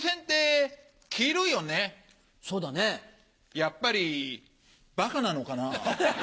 やっぱりバカなのかな？